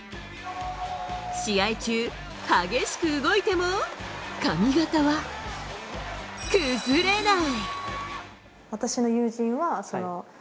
試合中、激しく動いても髪形は崩れない。